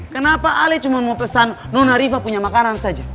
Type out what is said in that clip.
kenapa ali cuma mau pesan nona riva punya makanan saja